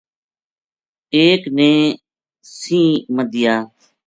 ایک نے سَینہ مدھیا